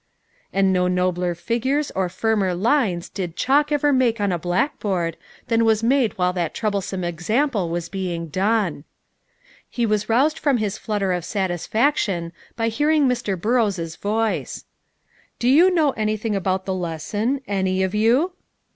And no nobler figures or firmer lines did chalk ever make on a blackboard than was made while that troublesome example was being done. He was roused from his flutter of satisfaction by hearing Mr. Burrows' voice. "Do you know anything about the lesson, any of you?"